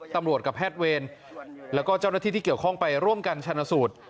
กับแพทย์เวรแล้วก็เจ้าหน้าที่ที่เกี่ยวข้องไปร่วมกันชนสูตร